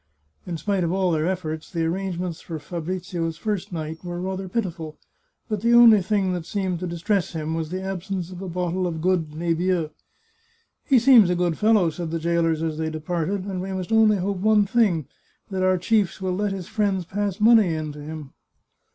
In spite of all their efforts, the arrangements for Fabrizio's first night were rather pitiful; but the only thing that seemed to dis tress him was the absence of a bottle of good nebieu. " He seems a good fellow," said the jailers as they departed, " and we must only hope one thing — that our chiefs will let his friends pass money in to him."